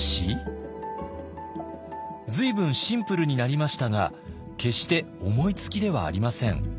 随分シンプルになりましたが決して思いつきではありません。